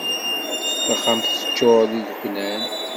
Taxxamt teččur d ideknan.